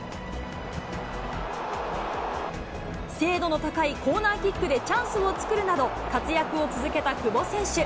精度の高いコーナーキックでチャンスを作るなど、活躍を続けた久保選手。